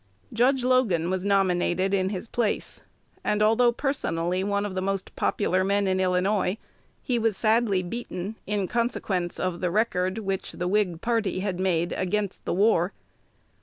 Judge Logan was nominated in his place; and, although personally one of the most popular men in Illinois, he was sadly beaten, in consequence of the record which the Whig party had made "against the war."